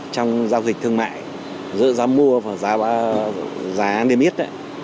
trong giao dịch thương mại giữa giá mua và giá đêm ít